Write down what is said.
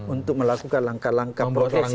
untuk melakukan langkah langkah profesi